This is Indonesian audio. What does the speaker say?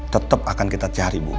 tetap akan kita cari bu